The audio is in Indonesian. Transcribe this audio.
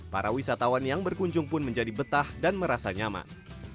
para wisatawan yang berkunjung pun menjadi betah dan merasa nyaman